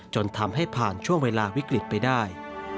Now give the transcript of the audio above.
จนทำให้ผ่านช่วงเวลาวิกฤตไปได้